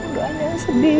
tidak ada yang sedih